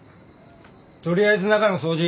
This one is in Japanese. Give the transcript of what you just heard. とりあえず中の掃除。